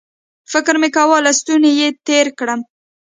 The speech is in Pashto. فکر مې کاوه له ستوني یې تېر کړم